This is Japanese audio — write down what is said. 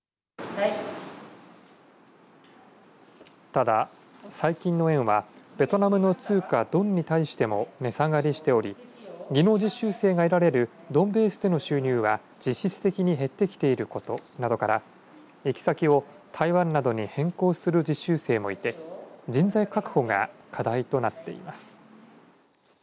ただ最近の円はベトナムの通貨ドンに対しても値下がりしており技能実習生が得られるドンベースでの収入は実質的に減ってきていることなどから行き先を台湾などに変更する実習生もいて人材確保が課題となっています。